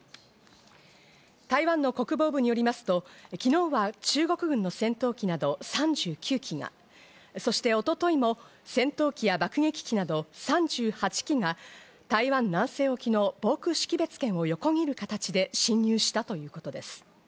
台湾の国防部によりますと昨日は中国軍の戦闘機など３９機が、そして一昨日も戦闘機や爆撃機など３８機が台湾南西沖の防空識別圏を横切る形で進入したということです。